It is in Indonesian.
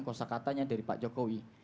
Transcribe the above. kosa katanya dari pak jokowi